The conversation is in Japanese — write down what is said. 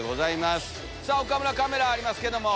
岡村カメラありますけども。